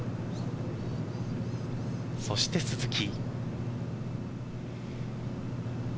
そして鈴木。